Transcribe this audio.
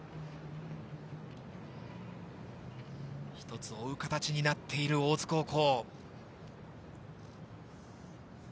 一つ追う形になっている大津高校。